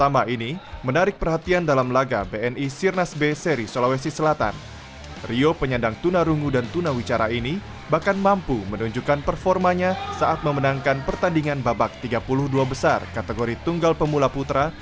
bni sirkuit nasional b seri sulawesi selatan